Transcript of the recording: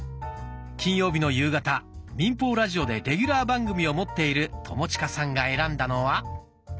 金曜日の夕方民放ラジオでレギュラー番組を持っている友近さんが選んだのは。